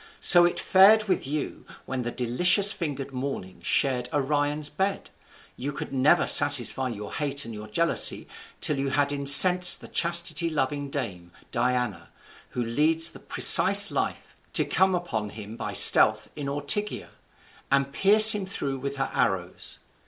So it fared with you, when the delicious fingered Morning shared Orion's bed; you could never satisfy your hate and your jealousy till you had incensed the chastity loving dame, Diana, who leads the precise life, to come upon him by stealth in Ortygia, and pierce him through with her arrows.